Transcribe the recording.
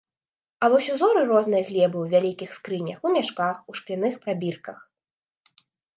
А вось узоры рознай глебы ў вялікіх скрынях, у мяшках, у шкляных прабірках.